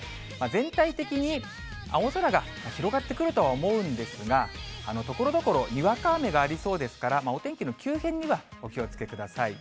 全体的に青空が広がってくるとは思うんですが、ところどころ、にわか雨がありそうですから、お天気の急変にはお気をつけください。